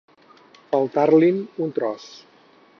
Faltar-li'n un tros.